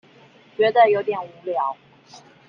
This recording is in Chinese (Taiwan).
覺得有點無聊